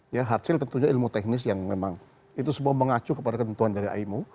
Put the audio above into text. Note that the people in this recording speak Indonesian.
ya hard sil tentunya ilmu teknis yang memang itu semua mengacu kepada ketentuan dari aimu